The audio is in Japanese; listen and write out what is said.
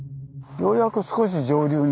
ようやく少し上流に。